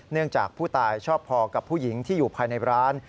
จากผู้ตายชอบพอกับผู้หญิงที่อยู่ภายในร้าน